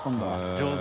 上手。